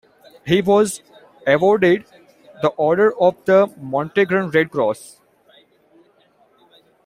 He was awarded the Order of the Montenegran Red Cross.